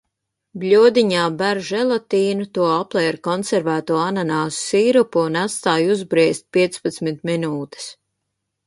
Bļodiņā ber želatīnu, to aplej ar konservēto ananasu sīrupu un atstāj uzbriest piecpadsmit minūtes.